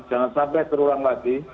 jangan sampai terulang lagi